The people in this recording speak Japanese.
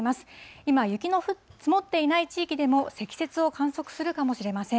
今、雪の積もっていない地域でも、積雪を観測するかもしれません。